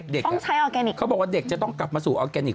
ต้องใช้ออร์แกนิคเขาบอกว่าเด็กจะต้องกลับมาสู่ออร์แกนิค